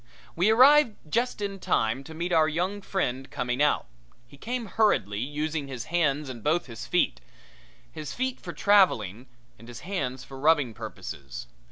We arrived just in time to meet our young friend coming out. He came hurriedly, using his hands and his feet both, his feet for traveling and his hands for rubbing purposes.